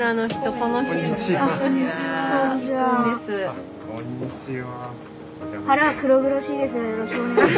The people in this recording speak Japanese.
あっこんにちは。